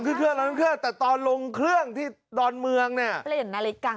เครื่องตอนนั้นเครื่องแต่ตอนลงเครื่องที่ดอนเมืองเนี่ยเปลี่ยนนาฬิกา